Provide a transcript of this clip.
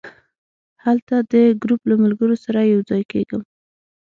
هلته د ګروپ له ملګرو سره یو ځای کېږم.